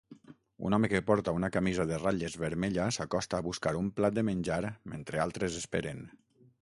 Un home que porta una camisa de ratlles vermella s'acosta a buscar un plat de menjar mentre altres esperen.